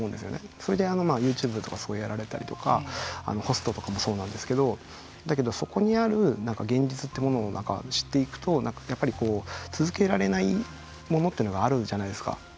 それでＹｏｕＴｕｂｅとかすごいやられたりとかホストとかもそうなんですけれどもだけどそこにある現実というものを知っていくとやっぱり続けられないものというのがあるじゃないですか。